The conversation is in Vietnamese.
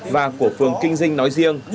và của phường kinh dinh nói riêng